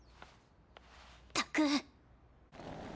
ったく。